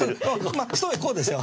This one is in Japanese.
まあひと目こうですよ。